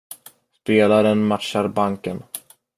Spelaren matchar banken.